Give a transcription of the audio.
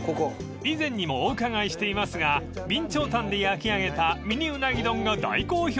［以前にもお伺いしていますが備長炭で焼き上げたミニうなぎ丼が大好評！］